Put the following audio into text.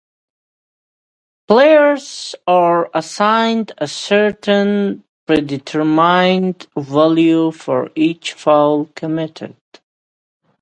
Players are assigned a certain predetermined value for each foul committed.